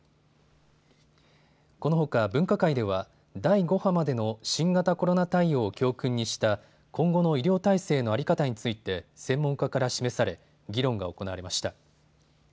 このほか分科会では第５波までの新型コロナ対応を教訓にした今後の医療体制の在り方について専門家から示され議論が行われました。